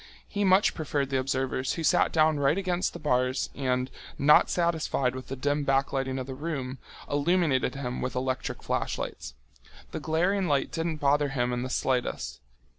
He much preferred the observers who sat down right against the bars and, not satisfied with the dim backlighting of the room, illuminated him with electric flashlights. The glaring light didn't bother him in the slightest.